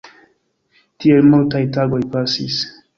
Tiel multaj tagoj pasis.